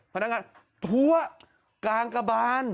พนักงานทั่วกลางกระบาน